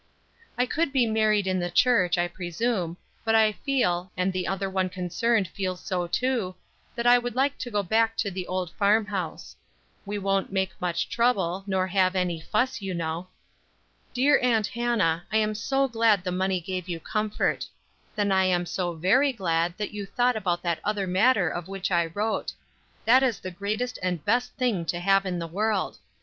"I could be married in the church, I presume, but I feel, and the other one concerned feels so too, that I would like to go back to the old farm house. We won't make much trouble, nor have any fuss, you know. "Dear Aunt Hannah, I am so glad the money gave you comfort. Then I am so very glad that you thought about that other matter of which I wrote; that is the greatest and best thing to have in the world.